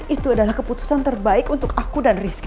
itu adalah keputusan terbaik untuk aku dan rizky